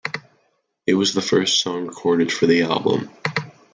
It was the first song recorded for the album.